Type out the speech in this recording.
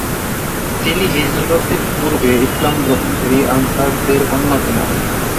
তিনি হিজরতের পূর্বে ইসলাম গ্রহণকারী আনসারদের অন্যতম।